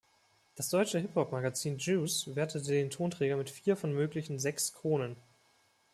Das deutsche Hip-Hop-Magazin "Juice" wertete den Tonträger mit vier von möglichen sechs „Kronen“.